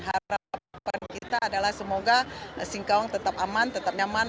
harapan kita adalah semoga singkawang tetap aman tetap nyaman